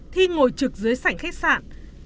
thi ngồi trực dưới sảnh khách sạn